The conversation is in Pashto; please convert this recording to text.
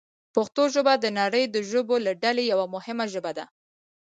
پښتو ژبه د نړۍ د ژبو له ډلې یوه مهمه ژبه ده.